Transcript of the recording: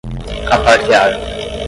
apartear